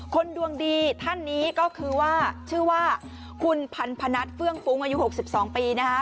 คนดวงดีท่านนี้ก็คือว่าชื่อว่าคุณพันธนัทเฟื่องฟุ้งอายุ๖๒ปีนะคะ